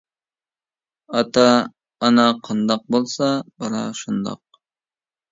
ئاتا؟ ئانا قانداق بولسا، بالا شۇنداق.